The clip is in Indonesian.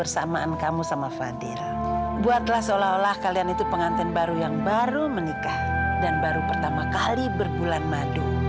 buatlah seolah olah kalian itu pengantin baru yang baru menikah dan baru pertama kali berbulan madu